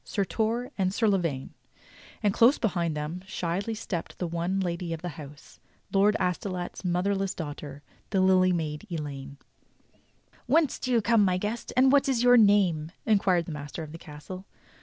Sir Torre and Sir La vaine; and close behind them shyly stepped the one lady of the house. Lord Astolat's mo therless daughter — the Lily Maid Elaine. "Whence do you come, my guest, and what is your nanie.?^" in quired the master of the castle.